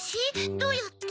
どうやって？